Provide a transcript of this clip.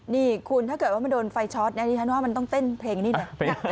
นี่คุณถ้าเกิดว่ามันโดนไฟช็อตนะดิฉันว่ามันต้องเต้นเพลงนี้นะ